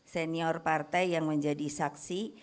senior partai yang menjadi saksi